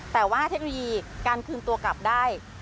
แต่ว่าเทคโนโลยีการคืนตัวกลับได้